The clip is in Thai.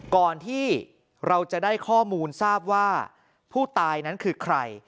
ก่อนที่เราจะได้ข้อมูลทราบว่าผู้ตายนั้นคือใคร